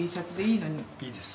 いいです。